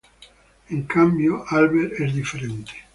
En cambio, Albert es diferente.